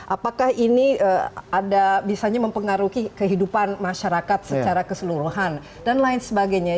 apakah ini ada bisanya mempengaruhi kehidupan masyarakat secara keseluruhan dan lain sebagainya